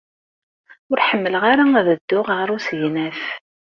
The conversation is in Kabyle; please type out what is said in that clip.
Ur ḥemmleɣ ara ad dduɣ ɣer usegnaf.